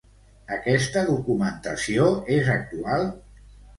Aquesta documentació és actual?